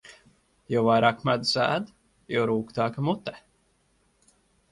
Jo vairāk medus ēd, jo rūgtāka mute.